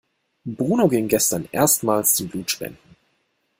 Bruno ging gestern erstmals zum Blutspenden.